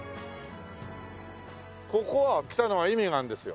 ここは来たのは意味があるんですよ。